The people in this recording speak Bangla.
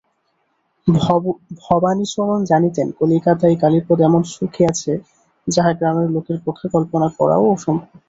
ভবানীচরণ জানিতেন কলিকাতায় কালীপদ এমন সুখে আছে যাহা গ্রামের লোকের পক্ষে কল্পনা করাও অসম্ভব।